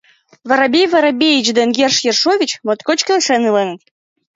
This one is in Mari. Воробей Воробеич ден Ерш Ершович моткоч келшен иленыт.